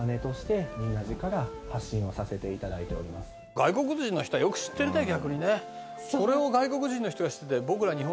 外国人の人はよく知ってるね逆にね。